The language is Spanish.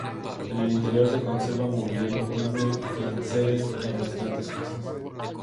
En el interior se conserva mobiliario antiguo y enseres en bastantes casas.